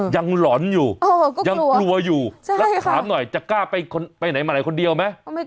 หลอนอยู่ยังกลัวอยู่แล้วถามหน่อยจะกล้าไปไหนมาไหนคนเดียวไหม